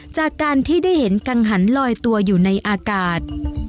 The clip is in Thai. จากการที่ได้เห็นกังหันลอยตัวอยู่ในอากาศ